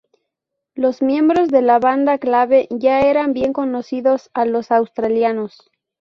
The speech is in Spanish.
Los miembros de la banda clave ya eran bien conocidos a los australianos.